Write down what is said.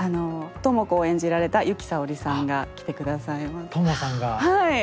知子を演じられた由紀さおりさんが来て下さいます。